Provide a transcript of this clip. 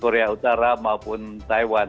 korea utara maupun taiwan